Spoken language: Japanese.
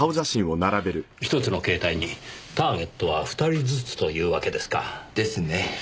ひとつの携帯にターゲットは２人ずつというわけですか。ですね。